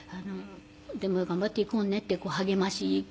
「でも頑張っていこうね」って励ましくれたり。